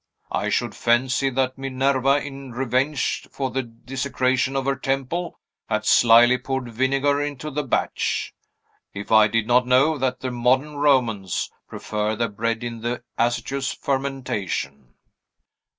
I should fancy that Minerva (in revenge for the desecration of her temple) had slyly poured vinegar into the batch, if I did not know that the modern Romans prefer their bread in the acetous fermentation."